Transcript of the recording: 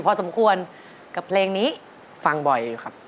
เป็นไงครับ